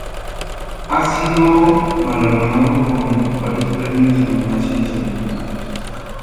Ha sido galardonado con varios premios y nominaciones importantes.